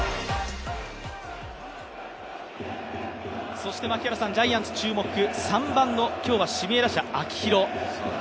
そしてジャイアンツ注目３番の今日は指名打者・秋広。